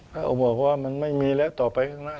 พระองค์บอกว่ามันไม่มีและต่อไปข้างหน้า